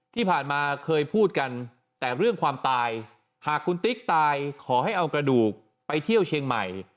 ที่ผ่านมาเคยพูดกันแต่เรื่องความตายหากคุณติ๊กตายขอให้เอากระดูกไปเที่ยวเชียงใหม่